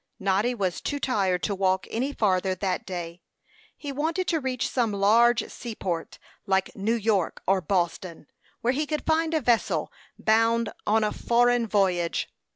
Noddy was too tired to walk any farther that day. He wanted to reach some large seaport, like New York or Boston, where he could find a vessel bound on a foreign voyage.